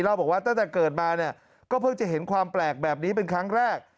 บอกว่าตั้งแต่เกิดมาเนี่ยก็เพิ่งจะเห็นความแปลกแบบนี้เป็นครั้งแรก